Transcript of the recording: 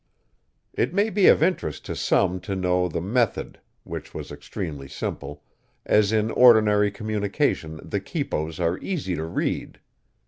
It may be of interest to some to know the method, which was extremely simple, as in ordinary communications the quipos are easy to read.